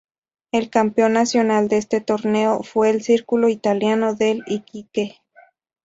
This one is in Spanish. El campeón nacional de este torneo fue el Círculo Italiano de Iquique.